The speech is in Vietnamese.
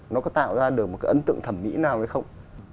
nó có tạo ra được một cái ấn tượng thẩm mỹ nào hay không